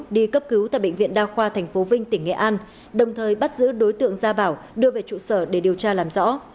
đi cấp cứu tại bệnh viện đa khoa tp vinh tỉnh nghệ an đồng thời bắt giữ đối tượng gia bảo đưa về trụ sở để điều tra làm rõ